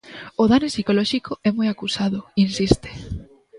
O dano psicolóxico é moi acusado, insiste.